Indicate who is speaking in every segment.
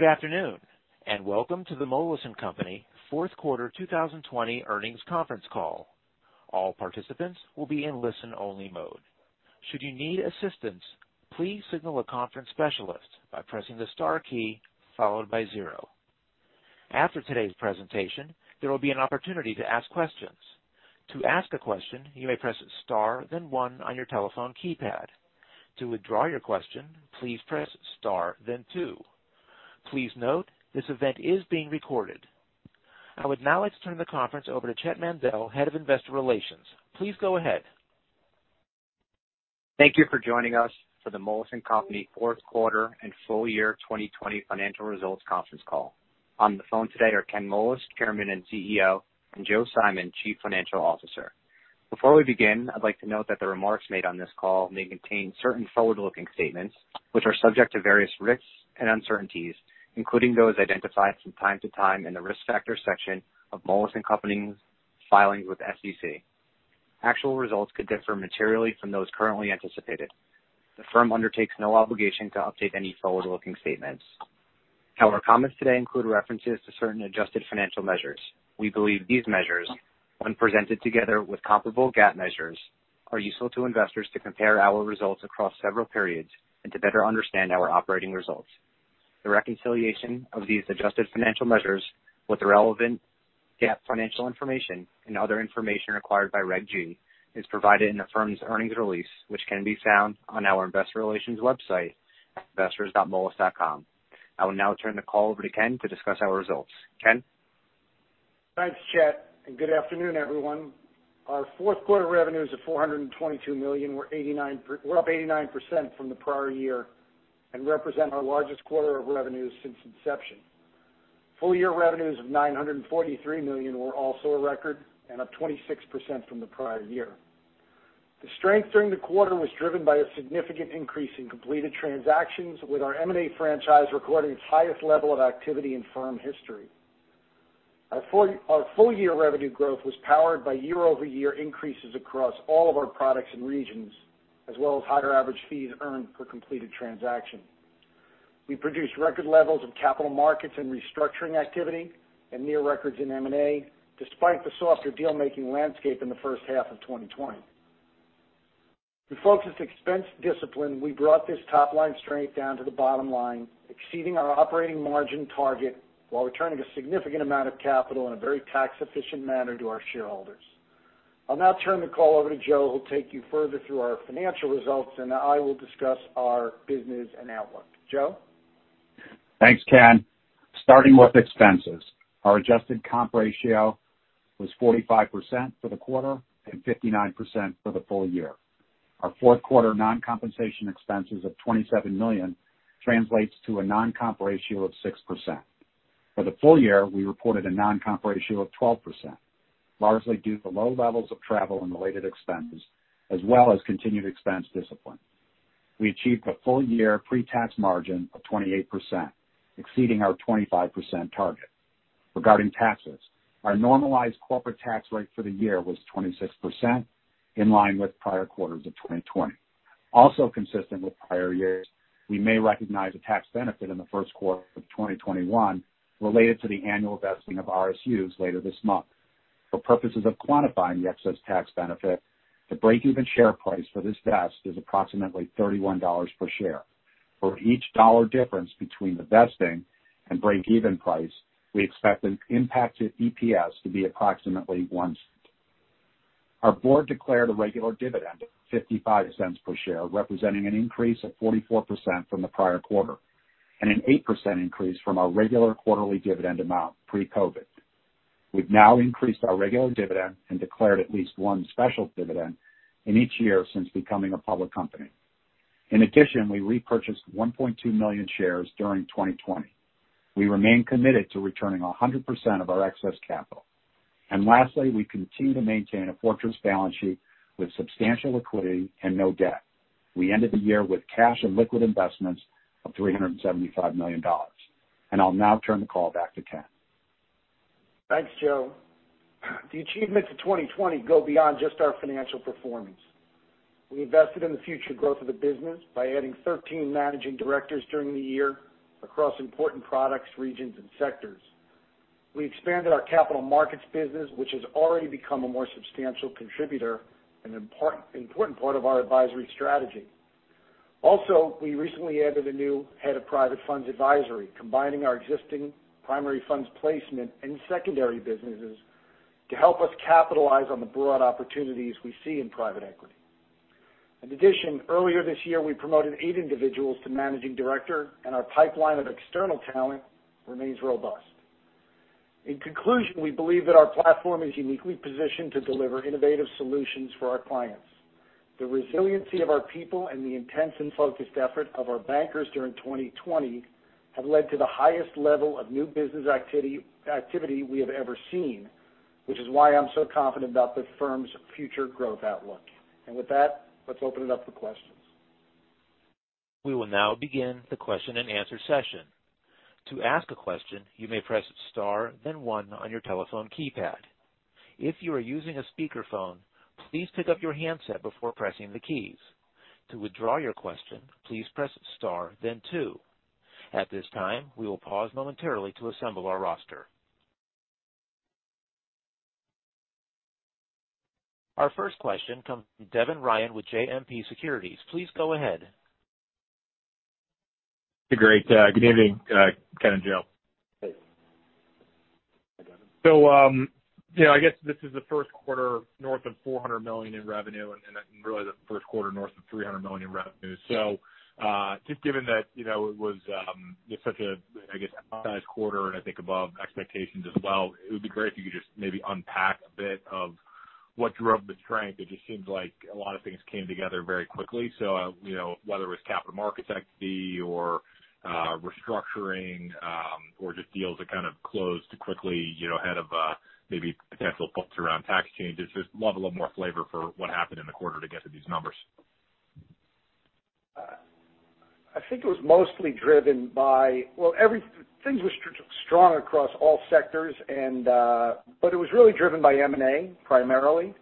Speaker 1: Good afternoon, and welcome to the Moelis & Company fourth quarter 2020 earnings conference call. All participants will be in listen-only mode. Should you need assistance, please signal a conference specialist by pressing the star key followed by zero. After today's presentation, there will be an opportunity to ask questions. To ask a question, you may press star, then one on your telephone keypad. To withdraw your question, please press star, then two. Please note this event is being recorded. I would now like to turn the conference over to Chett Mandel, Head of Investor Relations. Please go ahead.
Speaker 2: Thank you for joining us for the Moelis & Company fourth quarter and full year 2020 financial results conference call. On the phone today are Ken Moelis, Chairman and CEO, and Joe Simon, Chief Financial Officer. Before we begin, I'd like to note that the remarks made on this call may contain certain forward-looking statements which are subject to various risks and uncertainties, including those identified from time to time in the risk factor section of Moelis & Company's filings with SEC. Actual results could differ materially from those currently anticipated. The firm undertakes no obligation to update any forward-looking statements. Our comments today include references to certain adjusted financial measures. We believe these measures, when presented together with comparable GAAP measures, are useful to investors to compare our results across several periods and to better understand our operating results. The reconciliation of these adjusted financial measures with the relevant GAAP financial information and other information required by Reg G is provided in the firm's earnings release, which can be found on our investor relations website, investors.moelis.com. I will now turn the call over to Ken to discuss our results. Ken?
Speaker 3: Thanks, Chett, and good afternoon, everyone. Our fourth quarter revenues of $422 million were up 89% from the prior year and represent our largest quarter of revenues since inception. Full year revenues of $943 million were also a record and up 26% from the prior year. The strength during the quarter was driven by a significant increase in completed transactions, with our M&A franchise recording its highest level of activity in firm history. Our full year revenue growth was powered by year-over-year increases across all of our products and regions, as well as higher average fees earned per completed transaction. We produced record levels of capital markets and restructuring activity and near records in M&A, despite the softer deal-making landscape in the first half of 2020. To focus expense discipline, we brought this top-line strength down to the bottom line, exceeding our operating margin target while returning a significant amount of capital in a very tax-efficient manner to our shareholders. I'll now turn the call over to Joe, who'll take you further through our financial results, and I will discuss our business and outlook. Joe?
Speaker 4: Thanks, Ken. Starting with expenses, our adjusted comp ratio was 45% for the quarter and 59% for the full year. Our fourth quarter non-compensation expenses of $27 million translate to a non-comp ratio of 6%. For the full year, we reported a non-comp ratio of 12%, largely due to low levels of travel and related expenses, as well as continued expense discipline. We achieved a full year pre-tax margin of 28%, exceeding our 25% target. Regarding taxes, our normalized corporate tax rate for the year was 26%, in line with prior quarters of 2020. Also consistent with prior years, we may recognize a tax benefit in the first quarter of 2021 related to the annual vesting of RSUs later this month. For purposes of quantifying the excess tax benefit, the break-even share price for this vest is approximately $31 per share. For each dollar difference between the vesting and break-even price, we expect an impacted EPS to be approximately $0.01. Our board declared a regular dividend of $0.55 per share, representing an increase of 44% from the prior quarter and an 8% increase from our regular quarterly dividend amount pre-COVID. We've now increased our regular dividend and declared at least one special dividend in each year since becoming a public company. In addition, we repurchased 1.2 million shares during 2020. We remain committed to returning 100% of our excess capital. And lastly, we continue to maintain a fortress balance sheet with substantial liquidity and no debt. We ended the year with cash and liquid investments of $375 million. And I'll now turn the call back to Ken.
Speaker 3: Thanks, Joe. The achievements of 2020 go beyond just our financial performance. We invested in the future growth of the business by adding 13 managing directors during the year across important products, regions, and sectors. We expanded our capital markets business, which has already become a more substantial contributor and an important part of our advisory strategy. Also, we recently added a new head of Private Funds Advisory, combining our existing primary funds placement and secondary businesses to help us capitalize on the broad opportunities we see in private equity. In addition, earlier this year, we promoted eight individuals to managing director, and our pipeline of external talent remains robust. In conclusion, we believe that our platform is uniquely positioned to deliver innovative solutions for our clients. The resiliency of our people and the intense and focused effort of our bankers during 2020 have led to the highest level of new business activity we have ever seen, which is why I'm so confident about the firm's future growth outlook, and with that, let's open it up for questions.
Speaker 1: We will now begin the question and answer session. To ask a question, you may press star, then one on your telephone keypad. If you are using a speakerphone, please pick up your handset before pressing the keys. To withdraw your question, please press star, then two. At this time, we will pause momentarily to assemble our roster. Our first question comes from Devin Ryan with JMP Securities. Please go ahead.
Speaker 5: Hey, great. Good evening, Ken and Joe.
Speaker 3: Hey. Hi, Devin.
Speaker 5: So, I guess this is the first quarter north of $400 million in revenue and really the first quarter north of $300 million in revenue. So just given that it was such a, I guess, outsized quarter, and I think above expectations as well, it would be great if you could just maybe unpack a bit of what drove the strength. It just seems like a lot of things came together very quickly. So whether it was capital markets activity or restructuring or just deals that kind of closed quickly ahead of maybe potential bumps around tax changes, just level up more flavor for what happened in the quarter to get to these numbers.
Speaker 3: I think it was mostly driven by, well, things were strong across all sectors, but it was really driven by M&A primarily.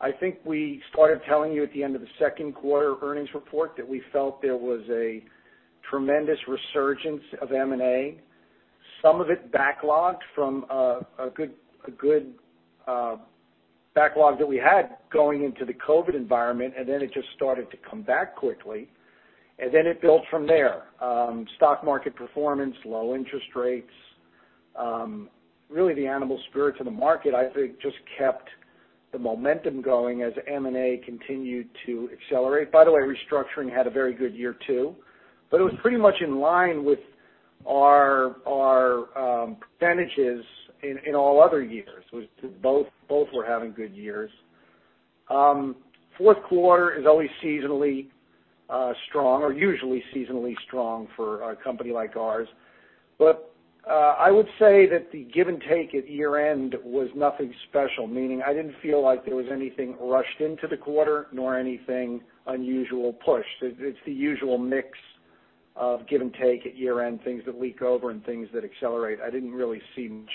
Speaker 3: I think we started telling you at the end of the second quarter earnings report that we felt there was a tremendous resurgence of M&A, some of it backlogged from a good backlog that we had going into the COVID environment, and then it just started to come back quickly, and then it built from there. Stock market performance, low interest rates, really the animal spirits of the market, I think, just kept the momentum going as M&A continued to accelerate. By the way, restructuring had a very good year too, but it was pretty much in line with our percentages in all other years. Both were having good years. Fourth quarter is always seasonally strong or usually seasonally strong for a company like ours. But I would say that the give and take at year-end was nothing special, meaning I didn't feel like there was anything rushed into the quarter nor anything unusual pushed. It's the usual mix of give and take at year-end, things that leak over and things that accelerate. I didn't really see much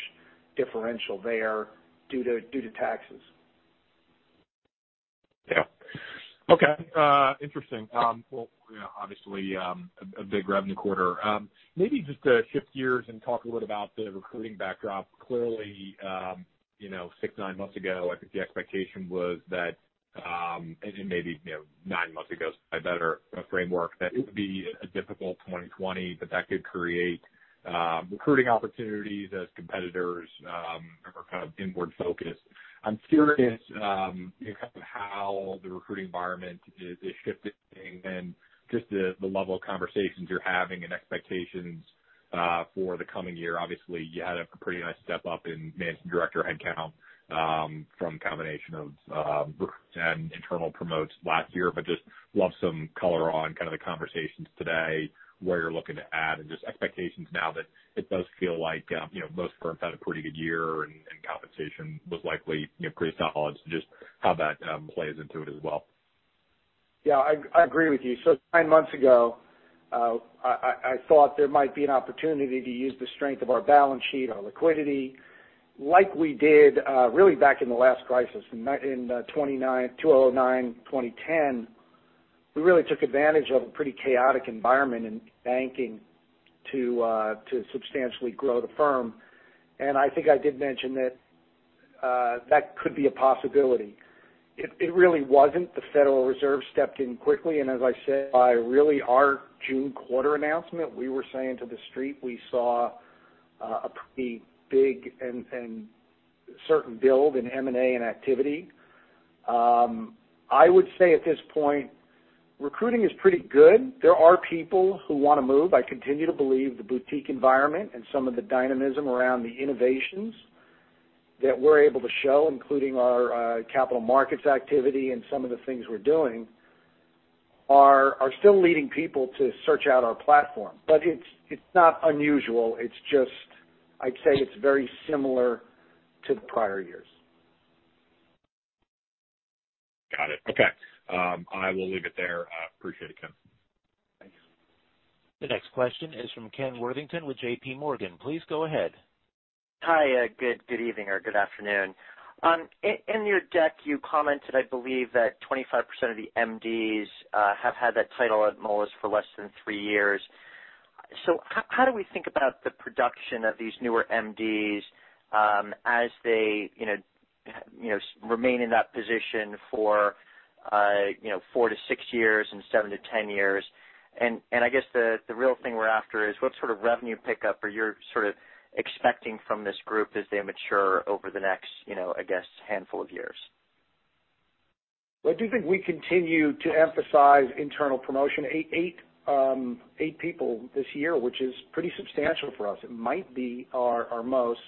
Speaker 3: differential there due to taxes.
Speaker 5: Yeah. Okay. Interesting. Well, obviously a big revenue quarter. Maybe just to shift gears and talk a little bit about the recruiting backdrop. Clearly, six, nine months ago, I think the expectation was that, and maybe nine months ago, so I had a better framework that it would be a difficult 2020, but that could create recruiting opportunities as competitors are kind of inward-focused. I'm curious kind of how the recruiting environment is shifting and just the level of conversations you're having and expectations for the coming year. Obviously, you had a pretty nice step up in managing director headcount from a combination of recruits and internal promotions last year, but I'd love some color on kind of the conversations today, where you're looking to add, and just expectations now that it does feel like most firms had a pretty good year and compensation was likely pretty solid, so just how that plays into it as well.
Speaker 3: Yeah, I agree with you. So nine months ago, I thought there might be an opportunity to use the strength of our balance sheet, our liquidity, like we did really back in the last crisis in 2009, 2010. We really took advantage of a pretty chaotic environment in banking to substantially grow the firm. And I think I did mention that that could be a possibility. It really wasn't. The Federal Reserve stepped in quickly. And as I said, by really our June quarter announcement, we were saying to the street we saw a pretty big and certain build in M&A and activity. I would say at this point, recruiting is pretty good. There are people who want to move. I continue to believe the boutique environment and some of the dynamism around the innovations that we're able to show, including our capital markets activity and some of the things we're doing, are still leading people to search out our platform. But it's not unusual. It's just, I'd say it's very similar to the prior years.
Speaker 5: Got it. Okay. I will leave it there. Appreciate it, Ken.
Speaker 3: Thanks.
Speaker 1: The next question is from Ken Worthington with JPMorgan. Please go ahead.
Speaker 6: Hi. Good evening or good afternoon. In your deck, you commented, I believe, that 25% of the MDs have had that title at Moelis for less than three years. So how do we think about the production of these newer MDs as they remain in that position for four to six years and seven to 10 years? And I guess the real thing we're after is what sort of revenue pickup are you sort of expecting from this group as they mature over the next, I guess, handful of years?
Speaker 3: I do think we continue to emphasize internal promotion. Eight people this year, which is pretty substantial for us. It might be our most.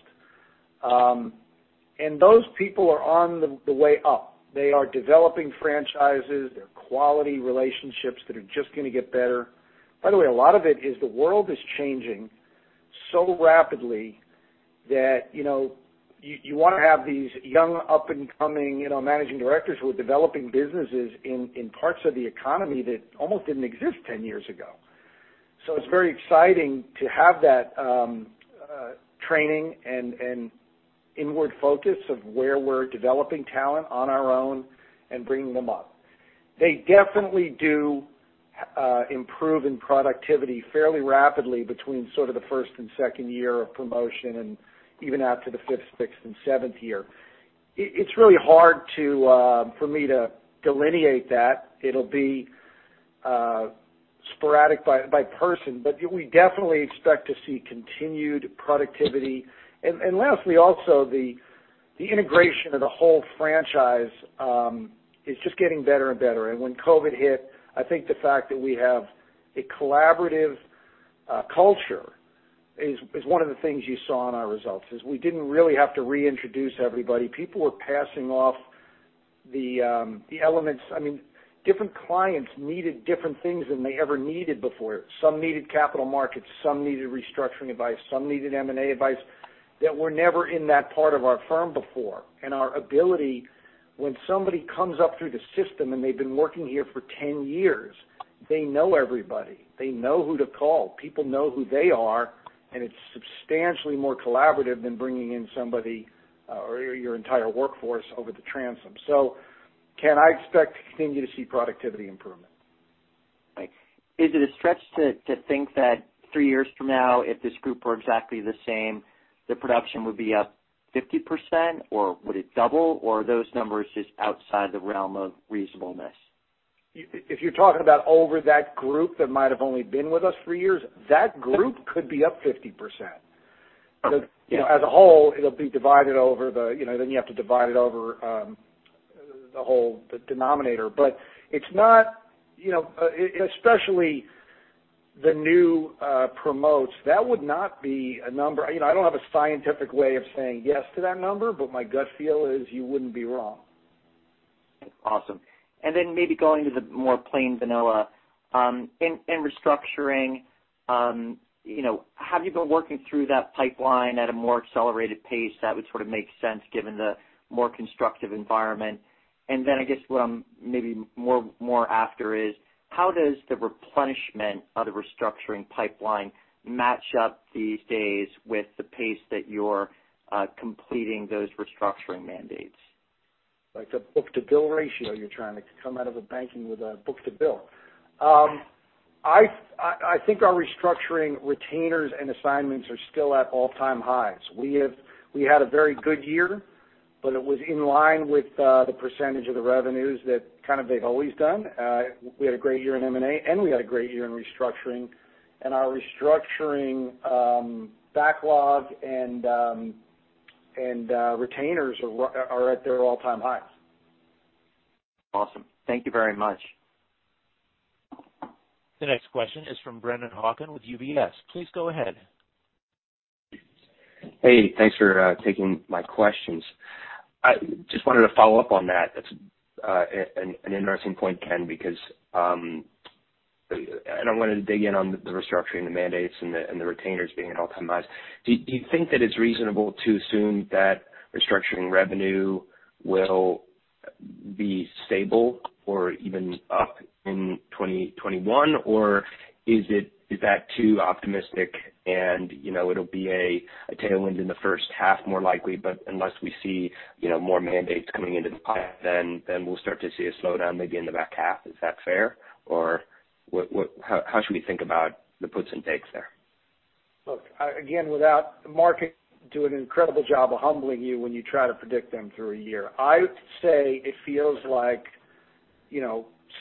Speaker 3: And those people are on the way up. They are developing franchises. They're quality relationships that are just going to get better. By the way, a lot of it is the world is changing so rapidly that you want to have these young up-and-coming managing directors who are developing businesses in parts of the economy that almost didn't exist 10 years ago. So it's very exciting to have that training and inward focus of where we're developing talent on our own and bringing them up. They definitely do improve in productivity fairly rapidly between sort of the first and second year of promotion and even out to the fifth, sixth, and seventh year. It's really hard for me to delineate that. It'll be sporadic by person, but we definitely expect to see continued productivity. And lastly, also the integration of the whole franchise is just getting better and better. And when COVID hit, I think the fact that we have a collaborative culture is one of the things you saw in our results. We didn't really have to reintroduce everybody. People were passing off the elements. I mean, different clients needed different things than they ever needed before. Some needed capital markets. Some needed restructuring advice. Some needed M&A advice that were never in that part of our firm before. And our ability, when somebody comes up through the system and they've been working here for 10 years, they know everybody. They know who to call. People know who they are. And it's substantially more collaborative than bringing in somebody or your entire workforce over the transom. So Ken, I expect to continue to see productivity improvement.
Speaker 6: Is it a stretch to think that three years from now, if this group were exactly the same, the production would be up 50% or would it double? Or are those numbers just outside the realm of reasonableness?
Speaker 3: If you're talking about over that group that might have only been with us for years, that group could be up 50%. As a whole, it'll be divided over the then you have to divide it over the whole denominator. But it's not, especially the new promotes, that would not be a number. I don't have a scientific way of saying yes to that number, but my gut feel is you wouldn't be wrong.
Speaker 6: Awesome. And then maybe going to the more plain vanilla, in restructuring, have you been working through that pipeline at a more accelerated pace? That would sort of make sense given the more constructive environment. And then I guess what I'm maybe more after is how does the replenishment of the restructuring pipeline match up these days with the pace that you're completing those restructuring mandates?
Speaker 3: Like the book-to-bill ratio, you're trying to come out of a banking with a book-to-bill. I think our restructuring retainers and assignments are still at all-time highs. We had a very good year, but it was in line with the percentage of the revenues that kind of they've always done. We had a great year in M&A, and we had a great year in restructuring and our restructuring backlog and retainers are at their all-time highs.
Speaker 6: Awesome. Thank you very much.
Speaker 1: The next question is from Brennan Hawken with UBS. Please go ahead.
Speaker 7: Hey, thanks for taking my questions. I just wanted to follow up on that. That's an interesting point, Ken, because I wanted to dig in on the restructuring mandates and the retainers being at all-time highs. Do you think that it's reasonable to assume that restructuring revenue will be stable or even up in 2021? Or is that too optimistic and it'll be a tailwind in the first half more likely, but unless we see more mandates coming into the pipe, then we'll start to see a slowdown maybe in the back half? Is that fair? Or how should we think about the puts and takes there?
Speaker 3: Look, again, without the market doing an incredible job of humbling you when you try to predict them through a year, I would say it feels like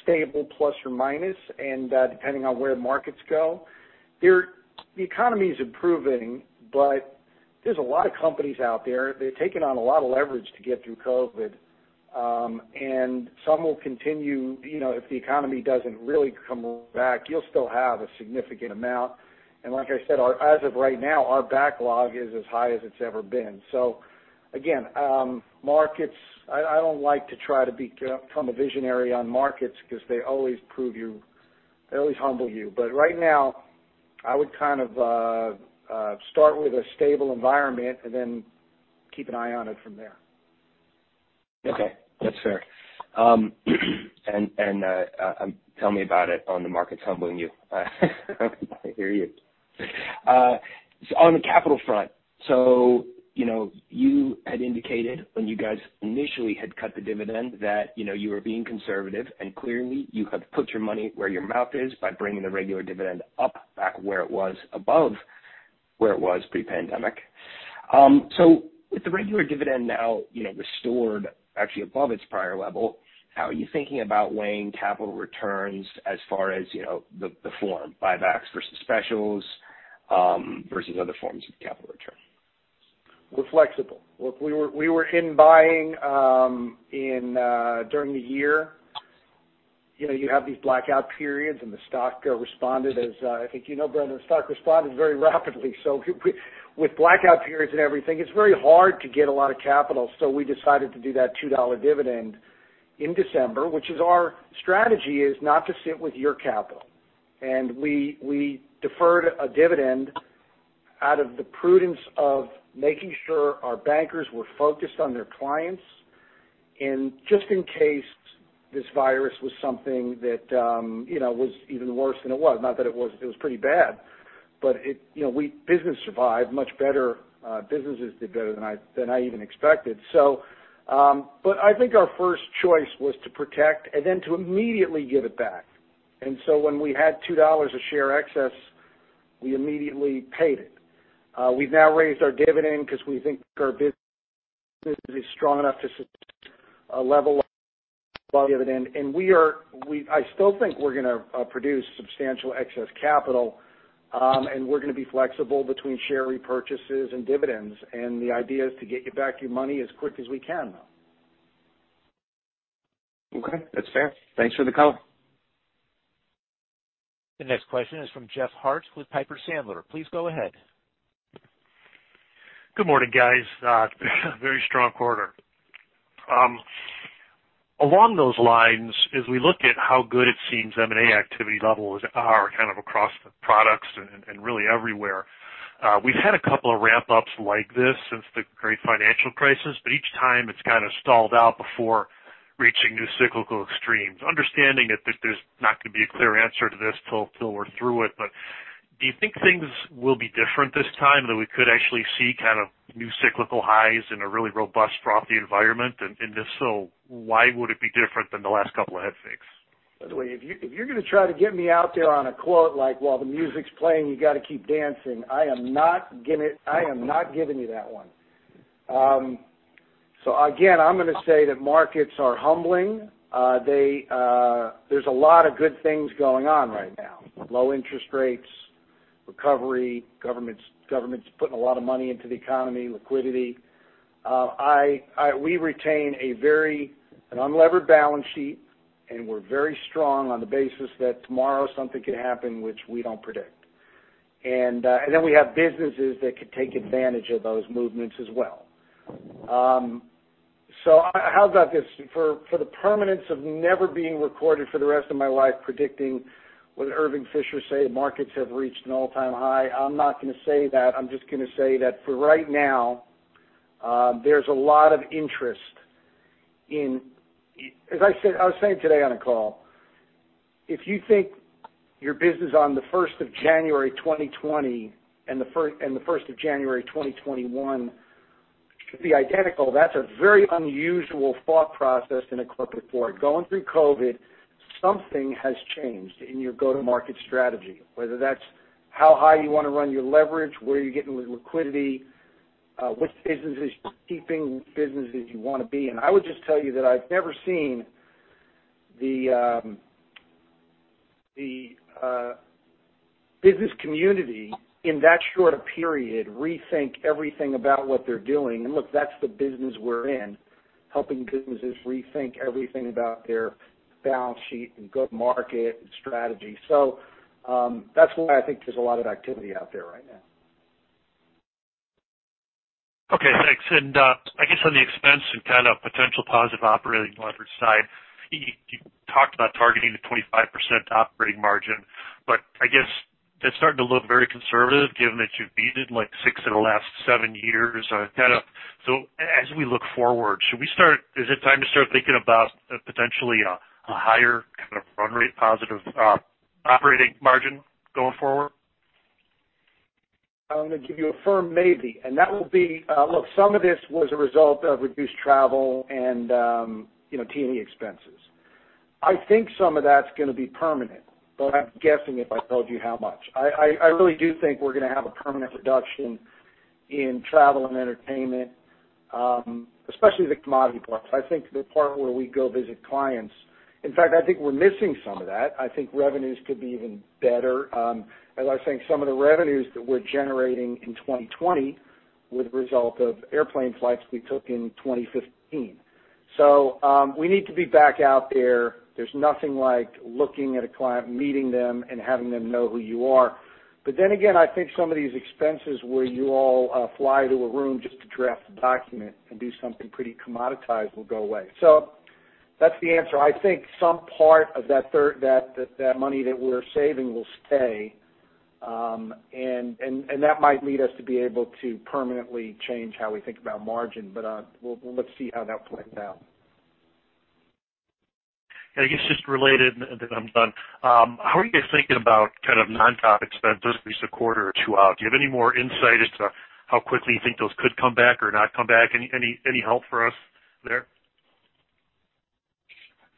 Speaker 3: stable plus or minus, and depending on where markets go. The economy is improving, but there's a lot of companies out there. They've taken on a lot of leverage to get through COVID, and some will continue if the economy doesn't really come back. You'll still have a significant amount, and like I said, as of right now, our backlog is as high as it's ever been, so again, markets, I don't like to try to become a visionary on markets because they always prove you. They always humble you, but right now, I would kind of start with a stable environment and then keep an eye on it from there.
Speaker 7: Okay. That's fair. And tell me about it on the markets humbling you. I hear you. On the capital front, so you had indicated when you guys initially had cut the dividend that you were being conservative, and clearly you have put your money where your mouth is by bringing the regular dividend up back where it was above where it was pre-pandemic. So with the regular dividend now restored actually above its prior level, how are you thinking about weighing capital returns as far as the form, buybacks versus specials versus other forms of capital return?
Speaker 3: We're flexible. Look, we were in buying during the year. You have these blackout periods, and the stock responded, as I think you know, Brendan, the stock responded very rapidly. So with blackout periods and everything, it's very hard to get a lot of capital. So we decided to do that $2 dividend in December, which is our strategy is not to sit with your capital. And we deferred a dividend out of the prudence of making sure our bankers were focused on their clients and just in case this virus was something that was even worse than it was. Not that it wasn't; it was pretty bad. But business survived much better. Businesses did better than I even expected. But I think our first choice was to protect and then to immediately give it back. And so when we had $2 a share excess, we immediately paid it. We've now raised our dividend because we think our business is strong enough to level our dividend, and I still think we're going to produce substantial excess capital, and we're going to be flexible between share repurchases and dividends, and the idea is to get you back your money as quick as we can though.
Speaker 7: Okay. That's fair. Thanks for the color.
Speaker 1: The next question is from Jeff Harte with Piper Sandler. Please go ahead.
Speaker 8: Good morning, guys. Very strong quarter. Along those lines, as we look at how good it seems M&A activity levels are kind of across the products and really everywhere, we've had a couple of ramp-ups like this since the great financial crisis, but each time it's kind of stalled out before reaching new cyclical extremes. Understanding that there's not going to be a clear answer to this till we're through it, but do you think things will be different this time that we could actually see kind of new cyclical highs in a really robust property environment? And if so, why would it be different than the last couple of head fakes?
Speaker 3: By the way, if you're going to try to get me out there on a quote like, "While the music's playing, you got to keep dancing," I am not giving you that one. So again, I'm going to say that markets are humbling. There's a lot of good things going on right now: low interest rates, recovery, government's putting a lot of money into the economy, liquidity. We retain a very unlevered balance sheet, and we're very strong on the basis that tomorrow something could happen, which we don't predict. And then we have businesses that could take advantage of those movements as well. So how about this? For the permanence of never being recorded for the rest of my life predicting what Irving Fisher said markets have reached an all-time high, I'm not going to say that. I'm just going to say that for right now, there's a lot of interest in, as I was saying today on a call, if you think your business on the 1st of January 2020 and the 1st of January 2021 should be identical, that's a very unusual thought process in a corporate board. Going through COVID, something has changed in your go-to-market strategy, whether that's how high you want to run your leverage, where you're getting liquidity, which businesses you're keeping, which businesses you want to be. And I would just tell you that I've never seen the business community in that short a period rethink everything about what they're doing. And look, that's the business we're in, helping businesses rethink everything about their balance sheet and go-to-market strategy. So that's why I think there's a lot of activity out there right now.
Speaker 8: Okay. Thanks. And I guess on the expense and kind of potential positive operating leverage side, you talked about targeting the 25% operating margin, but I guess that's starting to look very conservative given that you've beaten like six of the last seven years. So as we look forward, should we start, is it time to start thinking about potentially a higher kind of run rate positive operating margin going forward?
Speaker 3: I'm going to give you a firm maybe, and that will be, look, some of this was a result of reduced travel and T&E expenses. I think some of that's going to be permanent, but I'm guessing if I told you how much. I really do think we're going to have a permanent reduction in travel and entertainment, especially the commodity parts. I think the part where we go visit clients. In fact, I think we're missing some of that. I think revenues could be even better. As I was saying, some of the revenues that we're generating in 2020 were the result of airplane flights we took in 2015, so we need to be back out there. There's nothing like looking at a client, meeting them, and having them know who you are. But then again, I think some of these expenses where you all fly to a room just to draft a document and do something pretty commoditized will go away. So that's the answer. I think some part of that money that we're saving will stay. And that might lead us to be able to permanently change how we think about margin, but well, let's see how that plays out.
Speaker 8: I guess just related to that, I'm done. How are you guys thinking about kind of non-comp expenses at least a quarter or two out? Do you have any more insight as to how quickly you think those could come back or not come back? Any help for us there?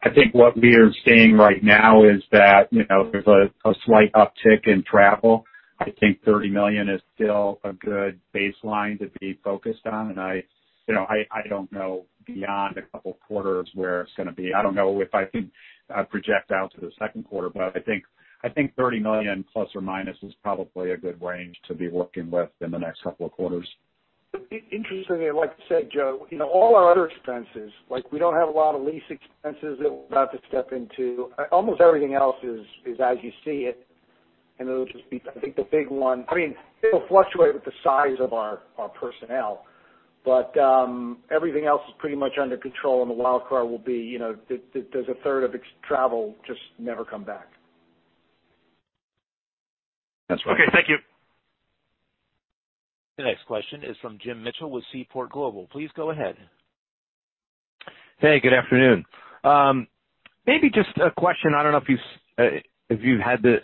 Speaker 4: I think what we are seeing right now is that there's a slight uptick in travel. I think $30 million is still a good baseline to be focused on. I don't know beyond a couple of quarters where it's going to be. I don't know if I can project out to the second quarter, but I think $30 million ± is probably a good range to be working with in the next couple of quarters.
Speaker 3: Interestingly, like you said, Joe, all our other expenses, like we don't have a lot of lease expenses that we're about to step into. Almost everything else is as you see it, and it'll just be, I think the big one, I mean, it'll fluctuate with the size of our personnel, but everything else is pretty much under control, and the wild card will be there's a third of travel just never come back.
Speaker 4: That's right.
Speaker 8: Okay. Thank you.
Speaker 1: The next question is from Jim Mitchell with Seaport Global. Please go ahead.
Speaker 9: Hey, good afternoon. Maybe just a question. I don't know if you've had the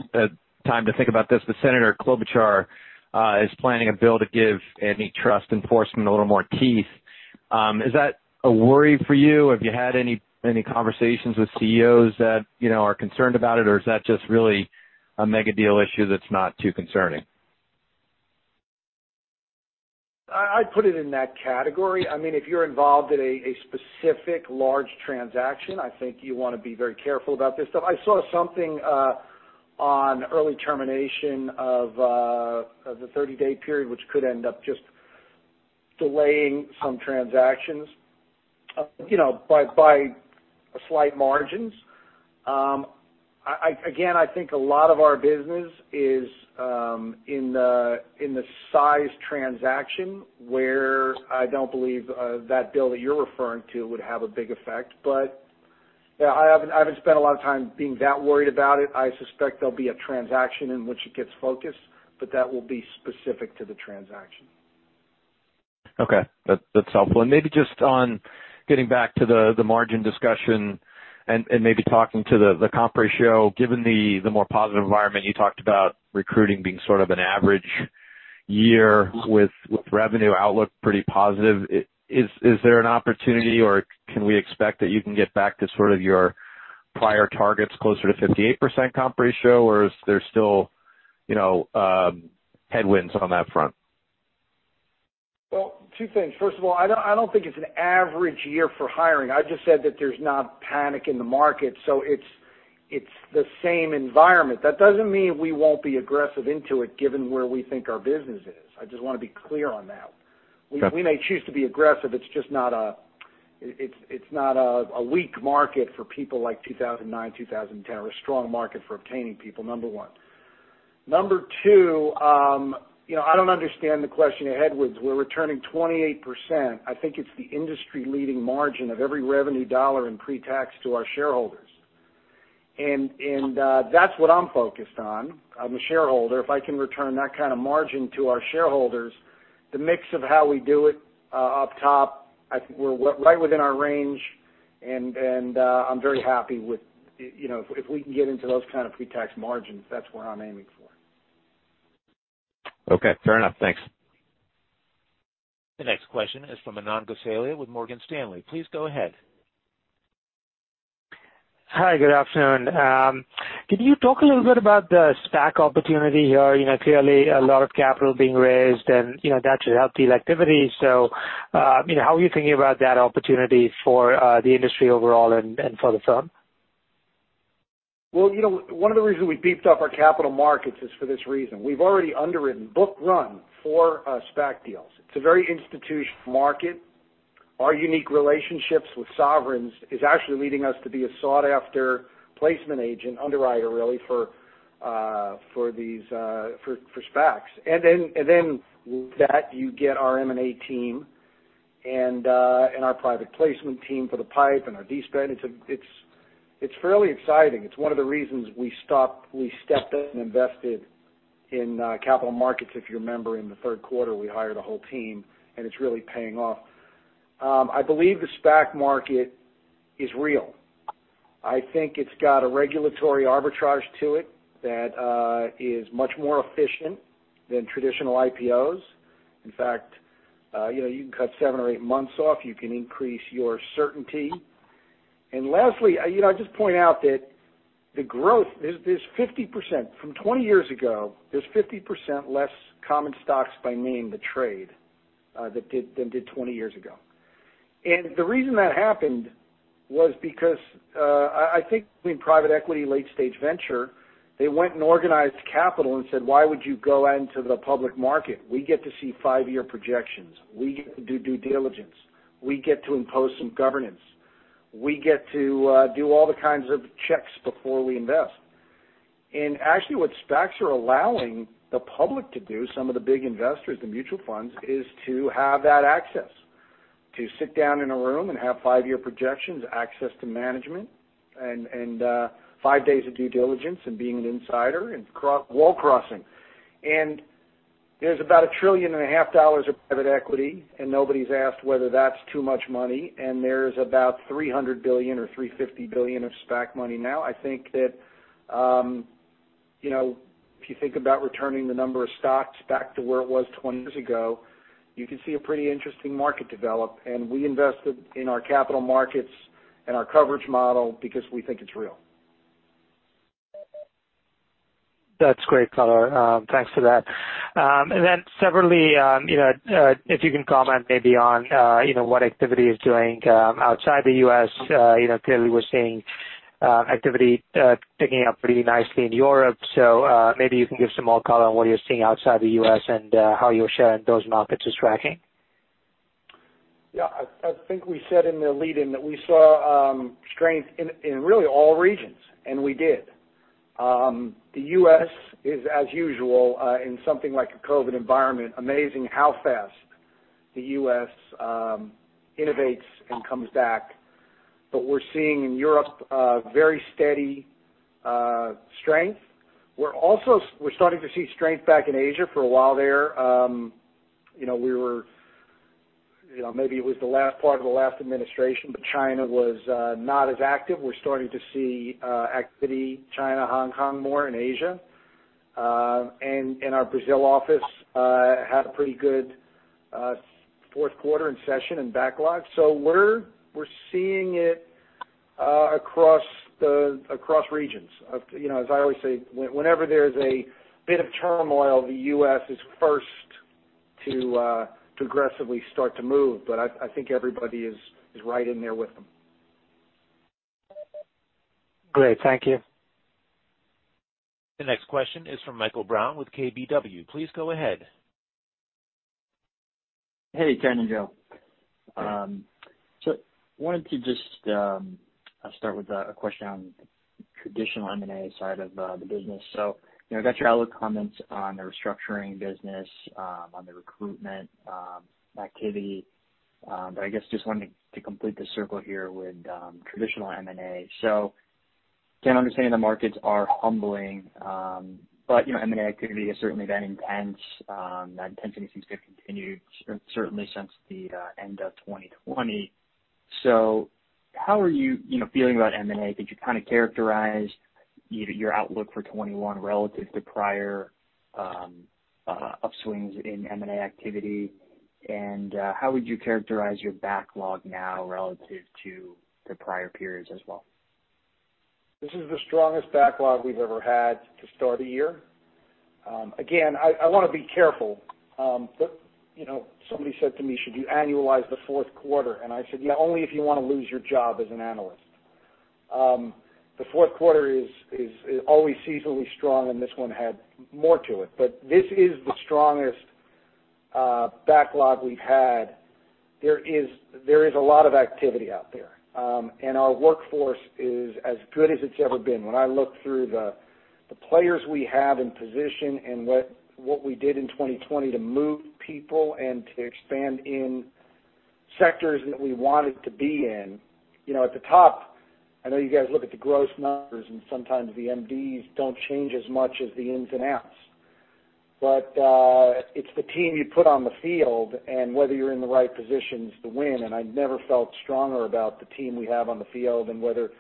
Speaker 9: time to think about this, but Senator Klobuchar is planning a bill to give antitrust enforcement a little more teeth. Is that a worry for you? Have you had any conversations with CEOs that are concerned about it, or is that just really a mega deal issue that's not too concerning?
Speaker 3: I'd put it in that category. I mean, if you're involved in a specific large transaction, I think you want to be very careful about this stuff. I saw something on early termination of the 30-day period, which could end up just delaying some transactions by slight margins. Again, I think a lot of our business is in the size transaction where I don't believe that bill that you're referring to would have a big effect. But yeah, I haven't spent a lot of time being that worried about it. I suspect there'll be a transaction in which it gets focused, but that will be specific to the transaction.
Speaker 9: Okay. That's helpful. And maybe just on getting back to the margin discussion and maybe talking to the comp ratio, given the more positive environment you talked about recruiting being sort of an average year with revenue outlook pretty positive, is there an opportunity or can we expect that you can get back to sort of your prior targets closer to 58% comp ratio, or is there still headwinds on that front?
Speaker 3: Two things. First of all, I don't think it's an average year for hiring. I just said that there's not panic in the market. So it's the same environment. That doesn't mean we won't be aggressive into it given where we think our business is. I just want to be clear on that. We may choose to be aggressive. It's just not a weak market for people like 2009, 2010. We're a strong market for obtaining people, number one. Number two, I don't understand the question regarding. We're returning 28%. I think it's the industry-leading margin of every revenue dollar in pre-tax to our shareholders. And that's what I'm focused on. I'm a shareholder. If I can return that kind of margin to our shareholders, the mix of how we do it up top, we're right within our range. I'm very happy with if we can get into those kind of pre-tax margins, that's what I'm aiming for.
Speaker 9: Okay. Fair enough. Thanks.
Speaker 1: The next question is from Manan Gosalia with Morgan Stanley. Please go ahead.
Speaker 10: Hi. Good afternoon. Can you talk a little bit about the SPAC opportunity here? Clearly, a lot of capital being raised, and that should help deal activity. So how are you thinking about that opportunity for the industry overall and for the firm?
Speaker 3: One of the reasons we beefed up our capital markets is for this reason. We've already underwritten book-run for SPAC deals. It's a very institutional market. Our unique relationships with sovereigns is actually leading us to be a sought-after placement agent, underwriter really, for these SPACs. And then with that, you get our M&A team and our private placement team for the PIPE and our de-SPAC. It's fairly exciting. It's one of the reasons we stepped up and invested in capital markets. If you remember, in the third quarter, we hired a whole team, and it's really paying off. I believe the SPAC market is real. I think it's got a regulatory arbitrage to it that is much more efficient than traditional IPOs. In fact, you can cut seven or eight months off. You can increase your certainty. And lastly, I just point out that the growth, there's 50% from 20 years ago, there's 50% less common stocks by name to trade than did 20 years ago. And the reason that happened was because I think in private equity, late-stage venture, they went and organized capital and said, "Why would you go into the public market? We get to see five-year projections. We get to do due diligence. We get to impose some governance. We get to do all the kinds of checks before we invest." And actually, what SPACs are allowing the public to do, some of the big investors, the mutual funds, is to have that access, to sit down in a room and have five-year projections, access to management, and five days of due diligence and being an insider and wall crossing. And there's about $1.5 trillion of private equity, and nobody's asked whether that's too much money. And there is about $300 billion or $350 billion of SPAC money now. I think that if you think about returning the number of stocks back to where it was 20 years ago, you can see a pretty interesting market develop. And we invested in our capital markets and our coverage model because we think it's real.
Speaker 10: That's great, Ken. Thanks for that and then separately, if you can comment maybe on what the activity is doing outside the U.S. Clearly, we're seeing activity picking up pretty nicely in Europe, so maybe you can give some more color on what you're seeing outside the U.S. and how those markets are tracking.
Speaker 3: Yeah. I think we said in the lead-in that we saw strength in really all regions, and we did. The U.S. is, as usual, in something like a COVID environment. Amazing how fast the U.S. innovates and comes back, but we're seeing in Europe very steady strength. We're starting to see strength back in Asia for a while there. We were maybe. It was the last part of the last administration, but China was not as active. We're starting to see activity, China, Hong Kong more in Asia. And our Brazil office had a pretty good fourth quarter and session and backlog, so we're seeing it across regions. As I always say, whenever there's a bit of turmoil, the U.S. is first to aggressively start to move, but I think everybody is right in there with them.
Speaker 10: Great. Thank you.
Speaker 1: The next question is from Michael Brown with KBW. Please go ahead.
Speaker 11: Hey, Ken and Joe. So I wanted to just start with a question on the traditional M&A side of the business. So I got your outlook comments on the restructuring business, on the recruitment activity. But I guess just wanted to complete the circle here with traditional M&A. So I'm understanding the markets are humbling, but M&A activity has certainly been intense. That intensity seems to have continued certainly since the end of 2020. So how are you feeling about M&A? Could you kind of characterize your outlook for 2021 relative to prior upswings in M&A activity? And how would you characterize your backlog now relative to the prior periods as well?
Speaker 3: This is the strongest backlog we've ever had to start a year. Again, I want to be careful, but somebody said to me, "Should you annualize the fourth quarter?" And I said, "Yeah, only if you want to lose your job as an analyst." The fourth quarter is always seasonally strong, and this one had more to it. But this is the strongest backlog we've had. There is a lot of activity out there. And our workforce is as good as it's ever been. When I look through the players we have in position and what we did in 2020 to move people and to expand in sectors that we wanted to be in, at the top, I know you guys look at the gross numbers, and sometimes the MDs don't change as much as the ins and outs. But it's the team you put on the field, and whether you're in the right position is the win. And I've never felt stronger about the team we have on the field and whether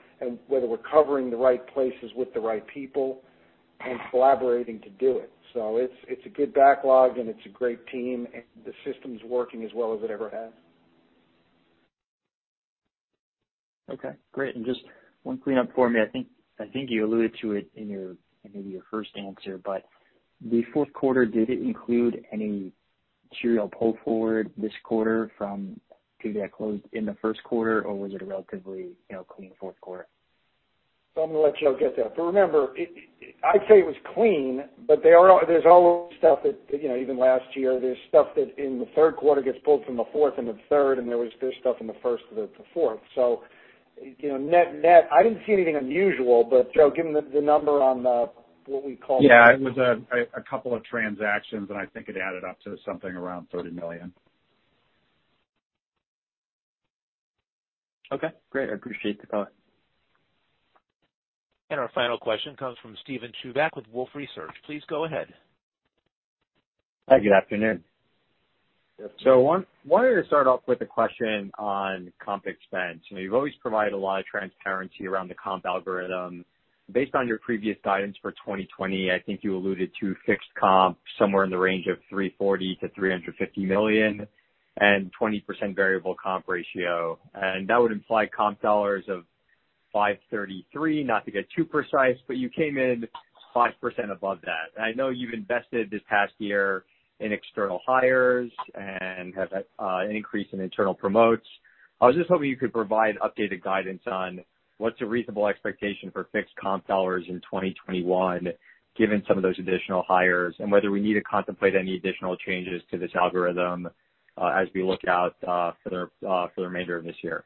Speaker 3: we're covering the right places with the right people and collaborating to do it. So it's a good backlog, and it's a great team, and the system's working as well as it ever has.
Speaker 11: Okay. Great. And just one clean-up for me. I think you alluded to it in maybe your first answer, but the fourth quarter, did it include any material pull forward this quarter from activity that closed in the first quarter, or was it a relatively clean fourth quarter?
Speaker 3: So I'm going to let you all get that. But remember, I'd say it was clean, but there's always stuff that even last year, there's stuff that in the third quarter gets pulled from the fourth and the third, and there was stuff in the first to the fourth. So net, net, I didn't see anything unusual, but Joe, given the number on what we call.
Speaker 4: Yeah. It was a couple of transactions, and I think it added up to something around $30 million.
Speaker 11: Okay. Great. I appreciate the comment.
Speaker 1: And our final question comes from Steven Chubak with Wolfe Research. Please go ahead.
Speaker 12: Hi. Good afternoon. So I wanted to start off with a question on comp expense. You've always provided a lot of transparency around the comp algorithm. Based on your previous guidance for 2020, I think you alluded to fixed comp somewhere in the range of $340 million-$350 million and 20% variable comp ratio. And that would imply comp dollars of $533 million, not to get too precise, but you came in 5% above that. I know you've invested this past year in external hires and have an increase in internal promotes. I was just hoping you could provide updated guidance on what's a reasonable expectation for fixed comp dollars in 2021, given some of those additional hires, and whether we need to contemplate any additional changes to this algorithm as we look out for the remainder of this year.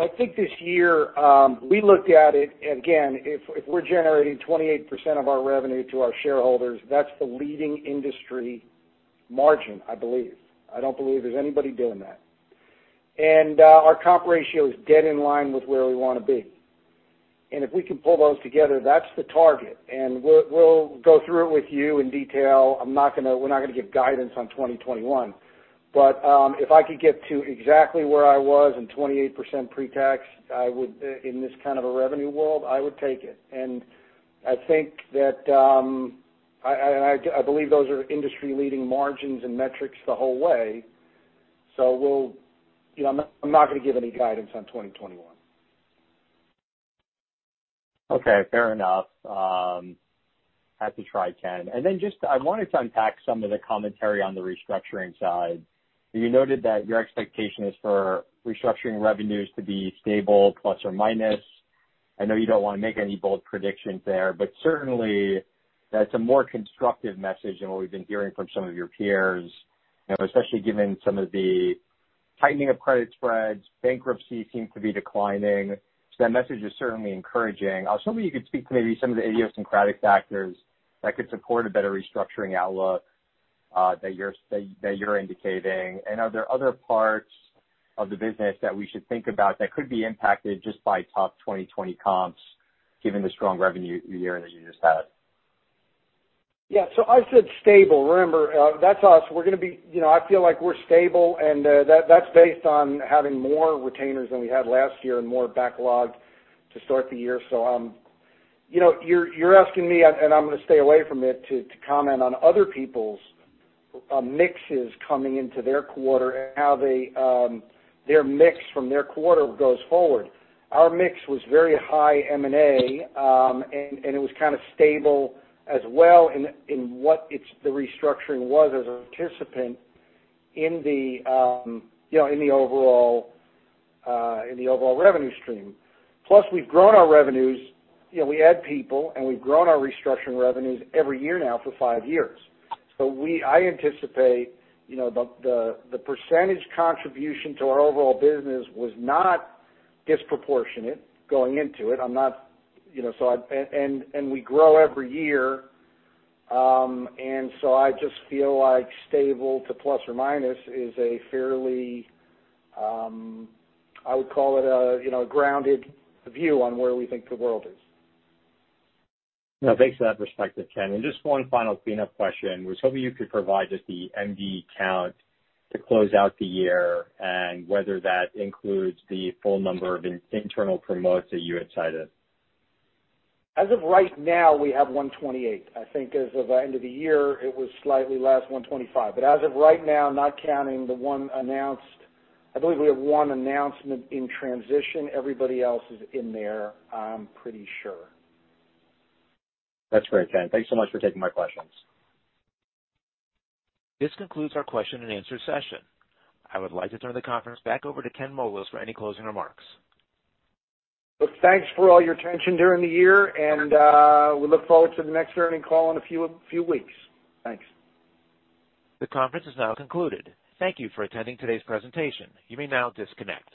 Speaker 3: I think this year, we looked at it. Again, if we're generating 28% of our revenue to our shareholders, that's the leading industry margin, I believe. I don't believe there's anybody doing that. Our comp ratio is dead in line with where we want to be. If we can pull those together, that's the target. We'll go through it with you in detail. We're not going to give guidance on 2021. If I could get to exactly where I was in 28% pre-tax in this kind of a revenue world, I would take it. I think that I believe those are industry-leading margins and metrics the whole way. I'm not going to give any guidance on 2021.
Speaker 12: Okay. Fair enough. Happy to try, Ken. And then just I wanted to unpack some of the commentary on the restructuring side. You noted that your expectation is for restructuring revenues to be stable, plus or minus. I know you don't want to make any bold predictions there, but certainly, that's a more constructive message than what we've been hearing from some of your peers, especially given some of the tightening of credit spreads. Bankruptcy seems to be declining. So that message is certainly encouraging. I was hoping you could speak to maybe some of the idiosyncratic factors that could support a better restructuring outlook that you're indicating. And are there other parts of the business that we should think about that could be impacted just by tough 2020 comps given the strong revenue year that you just had?
Speaker 3: Yeah. So I said stable. Remember, that's us. We're going to be I feel like we're stable, and that's based on having more retainers than we had last year and more backlog to start the year. So you're asking me, and I'm going to stay away from it, to comment on other people's mixes coming into their quarter and how their mix from their quarter goes forward. Our mix was very high M&A, and it was kind of stable as well in what the restructuring was as a participant in the overall revenue stream. Plus, we've grown our revenues. We add people, and we've grown our restructuring revenues every year now for five years. So I anticipate the percentage contribution to our overall business was not disproportionate going into it. I'm not so and we grow every year. And so I just feel like stable to plus or minus is a fairly, I would call it, a grounded view on where we think the world is.
Speaker 12: Thanks for that perspective, Ken. And just one final clean-up question. I was hoping you could provide just the MD count to close out the year and whether that includes the full number of internal promotes that you had cited.
Speaker 3: As of right now, we have 128. I think as of the end of the year, it was slightly less, 125. But as of right now, not counting the one announced, I believe we have one announcement in transition. Everybody else is in there, I'm pretty sure.
Speaker 12: That's great, Ken. Thanks so much for taking my questions.
Speaker 1: This concludes our question and answer session. I would like to turn the conference back over to Ken Moelis for any closing remarks.
Speaker 3: Thanks for all your attention during the year, and we look forward to the next earnings call in a few weeks. Thanks.
Speaker 1: The conference is now concluded. Thank you for attending today's presentation. You may now disconnect.